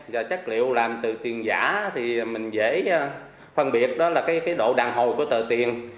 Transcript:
và chất liệu làm từ tiền giả thì mình dễ phân biệt đó là cái độ đàn hồ của tờ tiền